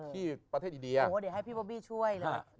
ที่ประเทศดีโหเดี๋ยวให้พี่บอบี้ช่วยเลย